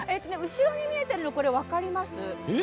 後ろに見えてるの分かります？